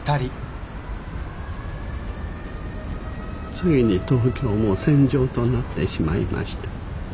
ついに東京も戦場となってしまいました。